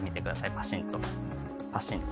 パシンと。